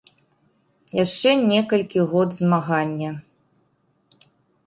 Яшчэ некалькі год змагання.